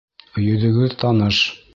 Йөҙөгөҙ таныш.